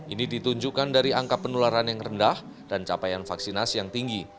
ini ditunjukkan dari angka penularan yang rendah dan capaian vaksinasi yang tinggi